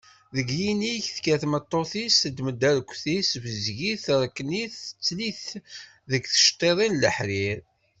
Seg yinig, tekker tmeṭṭut-is, teddem arekti, tessebzeg-it, terekn-it, tettel-it deg tceṭṭiḍin n leḥrir.